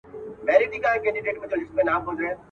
د زلمیو د مستۍ اتڼ پر زور سو.